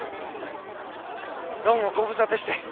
どうもご無沙汰して。